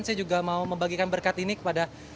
saya juga mau membagikan berkat ini kepada